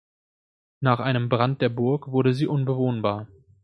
Nach einem Brand der Burg wurde sie unbewohnbar.